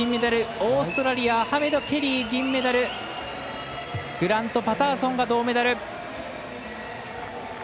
オーストラリアアハメド・ケリー、銀メダル！グラント・パターソンが銅メダル。